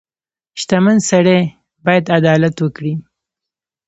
• شتمن سړی باید عدالت وکړي.